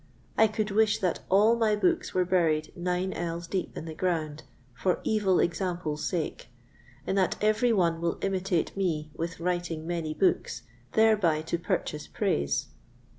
I could wish that all my books were buried nine ells deep in the ground, for evil example's sake, in that every one will imitate me with writing many books, thereby to purchase praise.